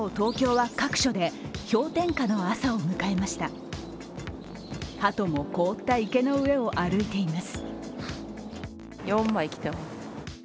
はとも凍った池の上を歩いています。